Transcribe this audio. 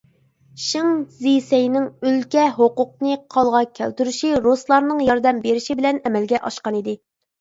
شىڭ زىسەينىڭ ئۆلكە ھوقۇقنى قولغا كەلتۈرۈشى رۇسلارنىڭ ياردەم بېرىشى بىلەن ئەمەلگە ئاشقان ئىدى.